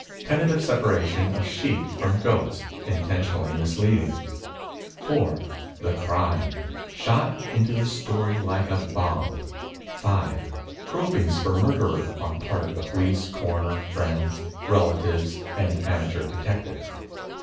Tentative separation of sheep from goats, intentionally misleading. 4. The Crime, — shot into the story like a bomb. 5. Gropings for murderer, on part of the police, coroner, friends, relatives and amateur detective.